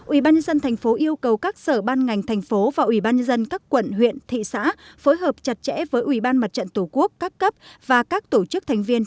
ubnd tp yêu cầu các sở ban ngành tp và ubnd các quận huyện thị xã phối hợp chặt chẽ với ubnd tp các cấp và các tổ chức thành viên